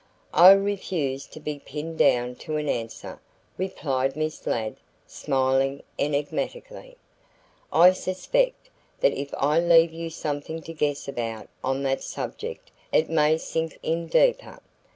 "I refuse to be pinned down to an answer," replied Miss Ladd, smiling enigmatically. "I suspect that if I leave you something to guess about on that subject it may sink in deeper.